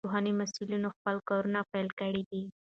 د پوهنې مسئولينو خپل کارونه پيل کړي دي.